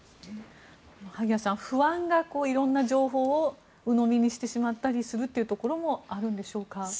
萩谷さん、不安で色んな情報をうのみにしてしまうということもあるんでしょうか。